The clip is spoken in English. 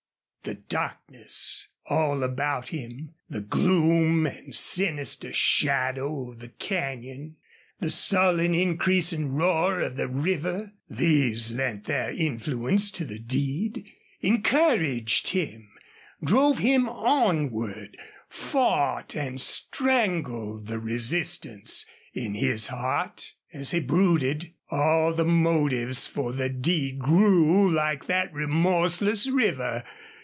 The darkness all about him, the gloom and sinister shadow of the canyon, the sullen increasing roar of the' river these lent their influence to the deed, encouraged him, drove him onward, fought and strangled the resistance in his heart. As he brooded all the motives for the deed grew like that remorseless river.